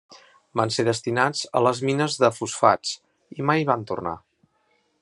Van ser destinats a les mines de fosfats i mai van tornar.